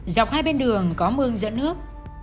dọc hai bên đường có mương dẫn nước